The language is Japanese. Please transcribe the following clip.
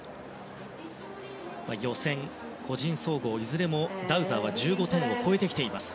予選、個人総合いずれもダウザーは１５点を超えてきています。